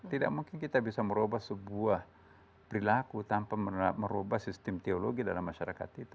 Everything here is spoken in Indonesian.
tidak mungkin kita bisa merubah sebuah perilaku tanpa merubah sistem teologi dalam masyarakat itu